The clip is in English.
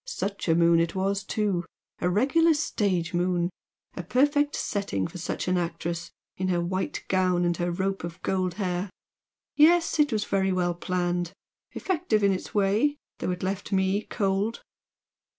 Such a moon it was, too! A regular stage moon! A perfect setting for such an actress, in her white gown and her rope of gold hair! Yes it was very well planned! effective in its way, though it left me cold!"